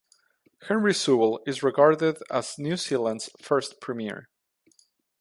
Henry Sewell is regarded as New Zealand's first premier.